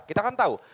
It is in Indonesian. kita kan tahu